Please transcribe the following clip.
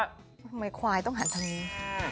ทำไมควายต้องหันทางนี้